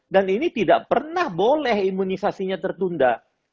dan ini tidak pernah boleh imunisasinya tertunda